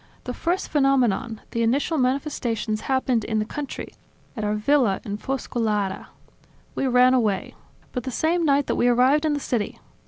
The first phenomenon, the initial manifestations happened in the country, at our villa in Foscolara ... We ran away. But the same night that we arrived in the city